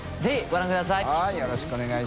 爾ご覧ください。